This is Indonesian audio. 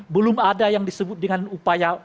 belum ada yang disebut dengan upaya